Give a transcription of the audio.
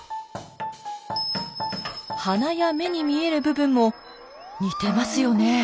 鼻や目に見える部分も似てますよね。